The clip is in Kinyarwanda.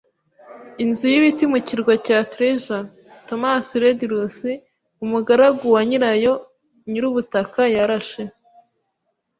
inzu y'ibiti mu kirwa cya Treasure. Thomas Redruth, umugaragu wa nyirayo, nyirubutaka, yarashe